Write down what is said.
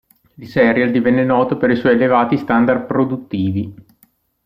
Il serial divenne noto per i suoi elevati standard produttivi.